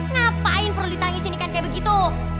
ngapain perlu ditangisin ikan kayak begitu